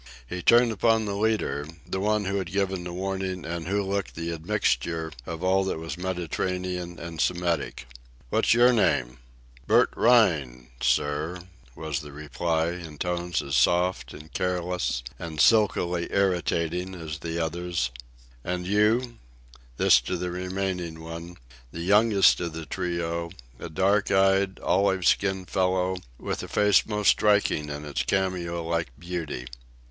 He turned upon the leader, the one who had given the warning and who looked the admixture of all that was Mediterranean and Semitic. "What's your name?" "Bert Rhine ... sir," was the reply, in tones as soft and careless and silkily irritating as the other's. "And you?"—this to the remaining one, the youngest of the trio, a dark eyed, olive skinned fellow with a face most striking in its cameo like beauty.